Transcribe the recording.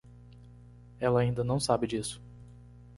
Ela ainda não sabe disso.